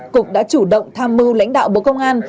cục đã chủ động tham mưu lãnh đạo bộ công an